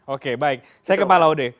oke baik saya ke pak laude